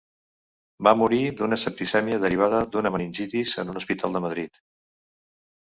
Va morir d'una septicèmia derivada d'una meningitis en un hospital de Madrid.